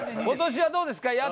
今年はどうですか？